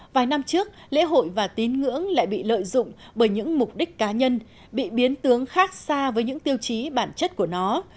vài năm trước lễ hội và tín ngưỡng lại bị lợi dụng bởi những mục đích cá nhân bị biến tướng khác xa với những tiêu chí bản chất của nó